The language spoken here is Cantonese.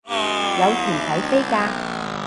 有團體飛價